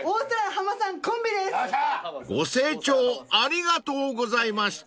［ご清聴ありがとうございました］